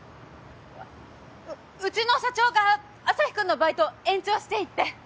ううちの社長がアサヒくんのバイト延長していいって。